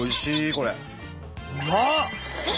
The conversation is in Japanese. これ。